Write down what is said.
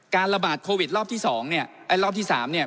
ระบาดโควิดรอบที่สองเนี่ยไอ้รอบที่สามเนี่ย